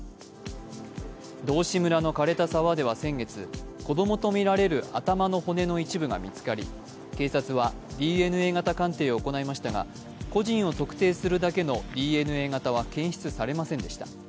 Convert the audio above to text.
道志村の枯れた沢では先月、子供とみられる頭の骨の一部が見つかり警察はＤＮＡ型鑑定を行いましたが個人を特定するだけのＤＮＡ型は検出されませんでした。